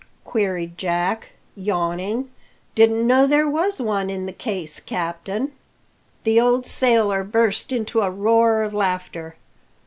queried Jack, yawning. "Didn't know there was one in the case, captain." The old sailor burst into a roar of laughter.